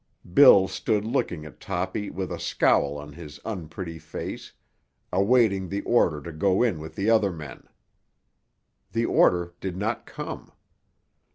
Bill stood looking at Toppy with a scowl on his unpretty face, awaiting the order to go in with the other men. The order did not come.